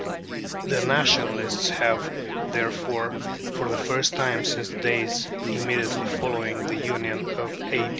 The Nationalists have, therefore, for the first time since the days immediately following the Union of A.